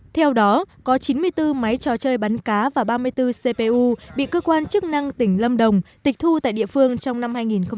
theo đó có chín mươi bốn máy trò chơi bắn cá và ba mươi bốn cpu bị cơ quan chức năng tỉnh lâm đồng tịch thu tại địa phương trong năm hai nghìn một mươi tám